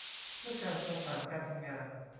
เพื่อการประสานการทำงาน